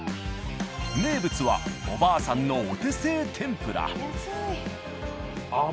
名物はおばあさんのお手製天ぷら。